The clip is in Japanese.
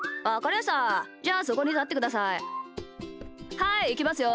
はいいきますよ。